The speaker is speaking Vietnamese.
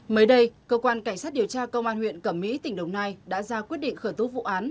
mới đây cơ quan cảnh sát điều tra công an huyện cẩm mỹ tỉnh đồng nai đã ra quyết định khởi tố vụ án